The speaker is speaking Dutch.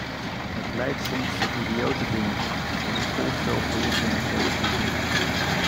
Het leidt soms tot idiote dingen, zoals het voorstel voor internettelevisie.